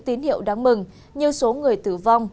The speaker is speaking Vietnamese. tín hiệu đáng mừng như số người tử vong